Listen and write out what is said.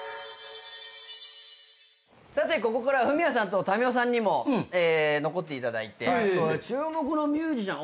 さてここからはフミヤさんと民生さんにも残っていただいて注目のミュージシャン。